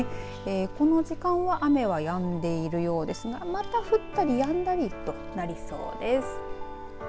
この時間は雨がやんでいるようですがまた降ったりやんだりとなりそうです。